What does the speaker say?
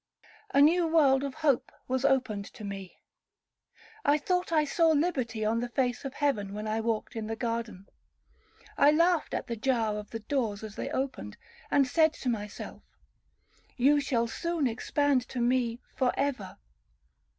A new world of hope was opened to me. I thought I saw liberty on the face of heaven when I walked in the garden. I laughed at the jar of the doors as they opened, and said to myself, 'You shall soon expand to me for ever.'